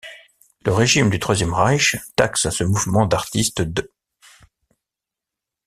Le régime du Troisième Reich taxe ce mouvement d'artistes d'.